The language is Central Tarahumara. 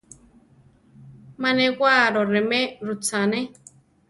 Má newaro remé rutzane.